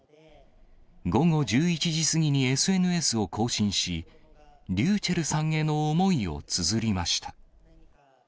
午後１１時過ぎにＳＮＳを更新し、ｒｙｕｃｈｅｌｌさんへの思いをつづりました。